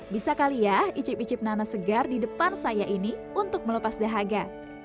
bisa kali ya icip icip nanas segar di depan saya ini untuk melepas dahaga